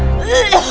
kau kena gilang